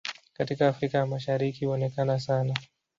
Katika Afrika ya Mashariki huonekana sana.